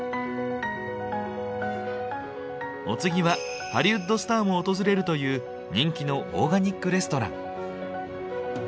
お次はハリウッドスターも訪れるという人気のオーガニックレストラン。